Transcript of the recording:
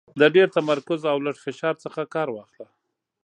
د ډېر تمرکز او لږ فشار څخه کار واخله .